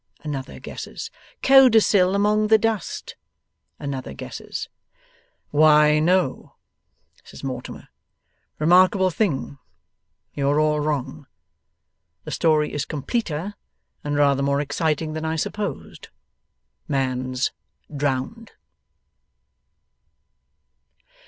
another guesses. 'Codicil among the dust?' another guesses. 'Why, no,' says Mortimer; 'remarkable thing, you are all wrong. The story is completer and rather more exciting than I supposed. Man's drowned!